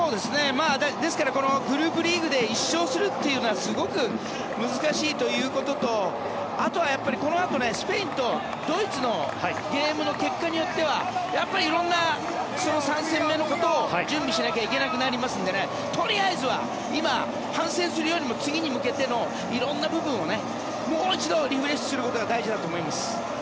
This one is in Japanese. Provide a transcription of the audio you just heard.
ですからグループリーグで１勝するというのはすごく難しいということとあとはこのあとスペインとドイツのゲームの結果によっては色んな３戦目のことを準備しなきゃいけなくなりますのでとりあえずは今、反省するよりも次に向けての色んな部分をもう一度リフレッシュすることが大事だと思います。